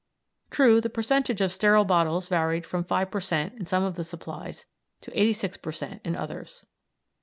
True, the percentage of sterile bottles varied from 5 per cent. in some of the supplies to 86 per cent. in others.